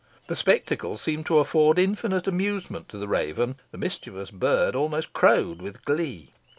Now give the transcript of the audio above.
The spectacle seemed to afford infinite amusement to the raven. The mischievous bird almost crowed with glee.